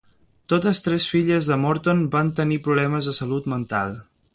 Totes tres filles de Morton van tenir problemes de salut mental.